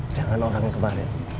jangan orang yang kemarin